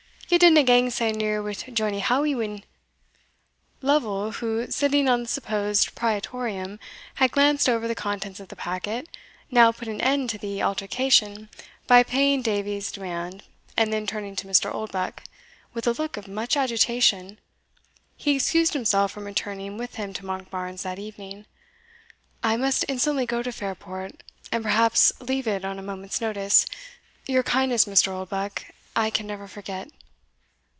Ye didna gang sae near wi' Johnnie Howie, when" Lovel, who, sitting on the supposed Praetorium, had glanced over the contents of the packet, now put an end to the altercation by paying Davies demand; and then turning to Mr. Oldbuck, with a look of much agitation, he excused himself from returning with him to Monkbarns' that evening. "I must instantly go to Fairport, and perhaps leave it on a moment's notice; your kindness, Mr. Oldbuck, I can never forget."